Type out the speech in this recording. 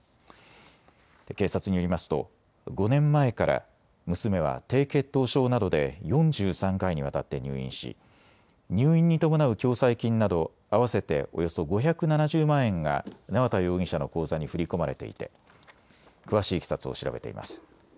警察によりますと５年前から娘は低血糖症などで４３回にわたって入院し入院に伴う共済金など合わせておよそ５７０万円が縄田容疑者の口座に振り込まれていて詳しいいきさつを調べています。